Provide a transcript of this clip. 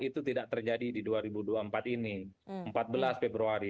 itu tidak terjadi di dua ribu dua puluh empat ini empat belas februari